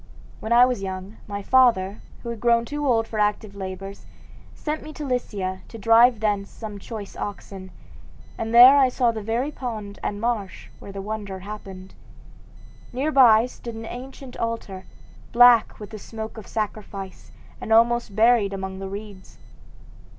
When I was young, my father, who had grown too old for active labors, sent me to Lycia to drive thence some choice oxen, and there I saw the very pond and marsh where the wonder happened. Near by stood an ancient altar, black with the smoke of sacrifice and almost buried among the reeds.